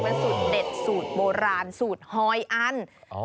เป็นสูตรเด็ดสูตรโบราณสูตรฮอยอัน